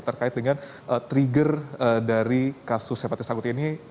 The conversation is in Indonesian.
terkait dengan trigger dari kasus hepatitis akut ini